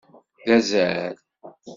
D azal.